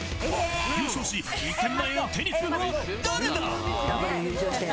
優勝し、１０００万円手にするのは誰だ？